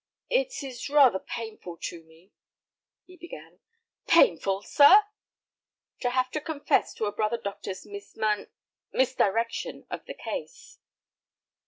"It is rather painful to me," he began. "Painful, sir!" "To have to confess to a brother doctor's misman—misdirection of the case."